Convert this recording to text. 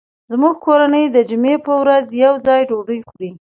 زموږ کورنۍ د جمعې په ورځ یو ځای ډوډۍ خوري